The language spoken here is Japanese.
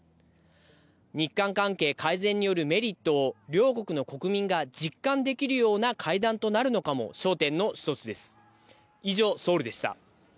日韓関係改善によるメリットを両国の国民が実感できるような会談となるのかも焦点の一つです。